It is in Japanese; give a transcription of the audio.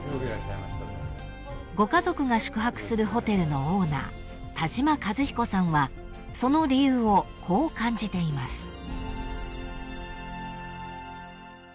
［ご家族が宿泊するホテルのオーナー田島和彦さんはその理由をこう感じています］